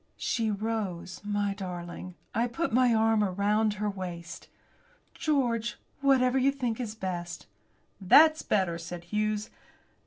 She rose, my darling. I put my arm about her waist. "George, whatever you think it best." "That's better," said Hughes.